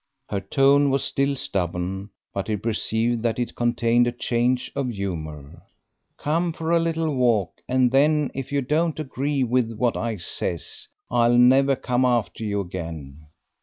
Her tone was still stubborn, but he perceived that it contained a change of humour. "Come for a little walk, and then, if you don't agree with what I says, I'll never come after you again."